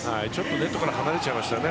ネットから離れちゃいましたね